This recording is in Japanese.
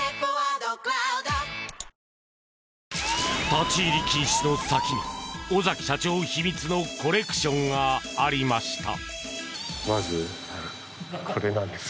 立ち入り禁止の先に尾崎社長秘密のコレクションがありました。